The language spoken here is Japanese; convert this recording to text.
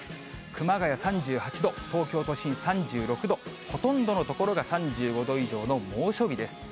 熊谷３８度、東京都心３６度、ほとんどの所が３５度以上の猛暑日です。